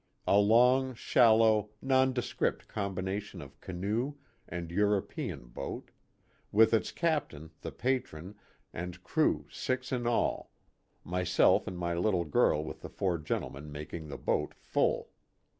A long, shallow nonde script combination of canoe and European boat ; with its Captain, the Patron, and crew six in all ; myself and my little girl with the four gentlemen making the boat full.